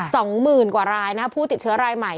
สองหมื่นกว่ารายนะผู้ติดเชื้อรายใหม่